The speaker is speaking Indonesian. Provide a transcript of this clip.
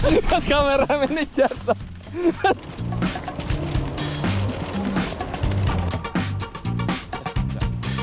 mas kameramen ini jatuh